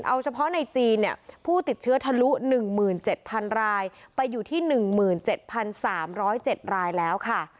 เอาเฉพาะในจีนเนี่ยผู้ติดเชื้อทะลุ๑๗๐๐รายไปอยู่ที่๑๗๓๐๗รายแล้วค่ะ